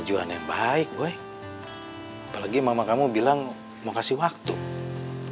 jangan sampai helen tersyukur